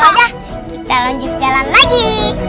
ya udah kita lanjut jalan lagi